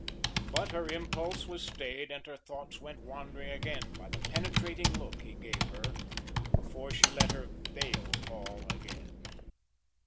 But her impulse was stayed and her thoughts sent wandering again by the penetrating look he gave her before she let her veil fall again.